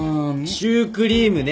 シュークリームね。